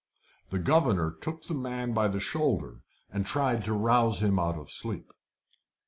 The governor took the man by the shoulder, and tried to rouse him out of sleep.